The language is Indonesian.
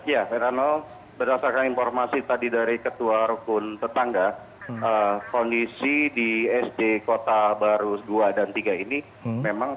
ya pak rano berdasarkan informasi tadi dari ketua rukun tetangga kondisi di sd kota baru dua dan tiga ini memang tepatnya sekitar pukul sepuluh itu ramai dengan